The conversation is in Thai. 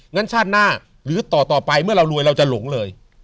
งั้นชาติหน้าหรือต่อไปเมื่อเรารวยเราจะหลงเลย